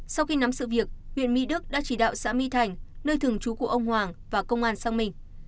sau khi nắm sự việc huyện mỹ đức đã chỉ đạo xã my thành nơi thường trú của ông hoàng và công an sang mình